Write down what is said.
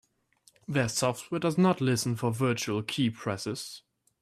Their software does not listen for virtual keypresses.